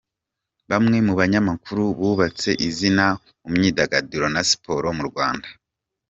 Bamwe mu banyamakuru bubatse izina mu myidagaduro na siporo mu Rwanda.